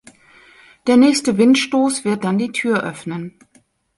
Der nächste Windstoß wird dann die Tür öffnen.